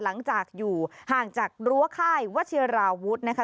หลังจากอยู่ห่างจากรั้วค่ายวัชิราวุฒินะคะ